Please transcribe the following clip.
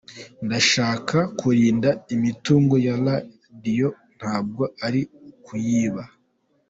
Ndashaka kurinda imitungo ya Radio ntabwo ari ukuyiba.